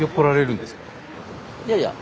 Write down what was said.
いやいや。